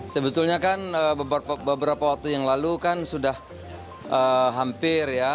sebetulnya kan beberapa waktu yang lalu kan sudah hampir ya